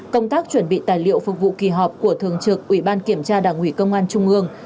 công tác chuẩn bị tài liệu phục vụ kỳ họp của thường trực ủy ban kiểm tra đảng ủy công an trung ương